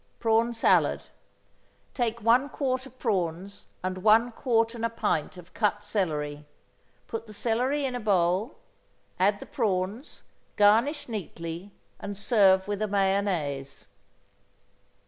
=Prawn Salad.= Take one quart of prawns and one quart and a pint of cut celery; put the celery in a bowl; add the prawns; garnish neatly, and serve with a mayonnaise.